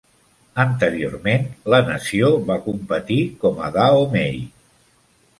Anteriorment, la nació va competir com a Dahomey.